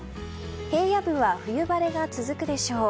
平野部は冬晴れが続くでしょう。